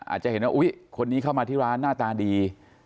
อาจจะเห็นว่าอุ๊ยคนนี้เข้ามาที่ร้านหน้าตาดี